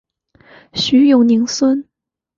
徐永宁孙。